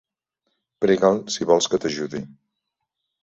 Prega'l, si vols que t'ajudi.